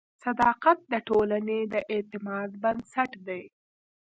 صداقت د ټولنې د اعتماد بنسټ دی.